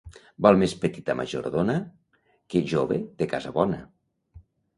Val més petita majordona que jove de casa bona.